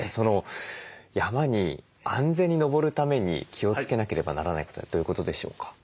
山に安全に登るために気をつけなければならないことはどういうことでしょうか？